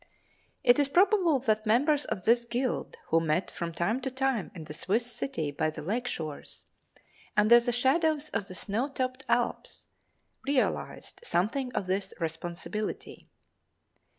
It is probable that members of this guild who met from time to time in the Swiss city by the lake shores, under the shadows of the snow topped Alps, realized something of this responsibility.